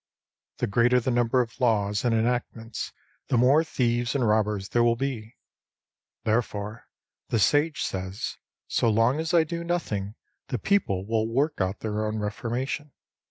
The greater the number of laws and enactments, the more thieves and robbers there will be. Therefore the Sage says: "So long as I do nothing, the people will work out their own reformation.